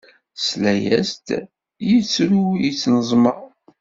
Tesla-yas-d yettru yettneẓma.